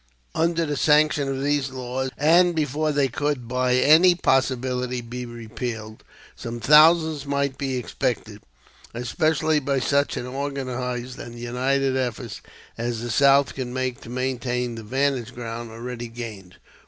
Under the sanction of these laws, and before they could by any possibility be repealed, some thousands might be expected, especially by such an organized and united effort as the South could make to maintain the vantage ground already gained.